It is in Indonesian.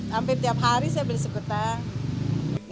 hampir tiap hari saya beli sekutang